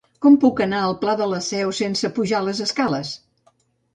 Com puc anar al Pla de la Seu sense pujar les escales?